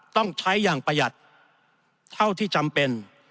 ต้องใช้อย่างประหยัดเท่าที่จำเป็น